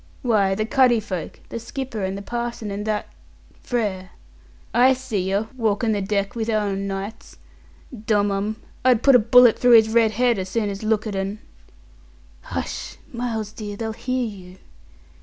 "Why, the cuddy folk the skipper, and the parson, and that Frere. I see yer walkin' the deck wi' un o' nights. Dom 'um, I'd put a bullet through his red head as soon as look at un." "Hush! Miles dear they'll hear you."